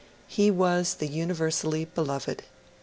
He was the universally beloved.